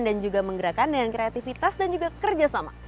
dan juga menggerakkan dengan kreativitas dan juga kerjasama